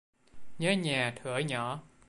Nhớ nhà thửa nhỏ